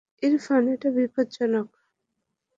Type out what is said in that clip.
ইরফান, এটা বিপজ্জনক।